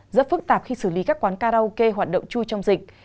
rất phức tạp khi xử lý các quán karaoke hoạt động chui trong dịch